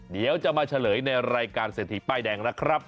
เดี๋ยวจะมาเฉลยในรายการเศรษฐีป้ายแดงนะครับ